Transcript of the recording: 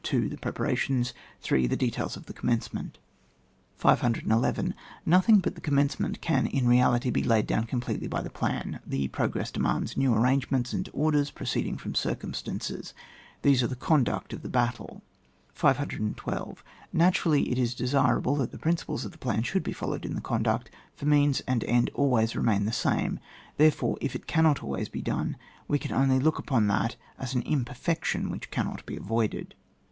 2. The preparations. 3. The details of the commencement. 511. Nothing but the commencement can in reality be laid down completely by the plan : the progress demands new ar rangements and orders, proceeding from circumstances : these are the conduct of the battle. 512. Naturally, it is desirable that the principles of the plan should be followed in the conduct, for means and end always remain the same ; therefore, if it cannot always be done, we can only look upon that as an impeiiection which cannot be avoided.